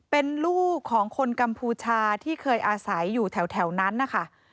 เป็นลูกของคนกัมพูชาที่เคยอาศัยอยู่แถวนั้นนะคะ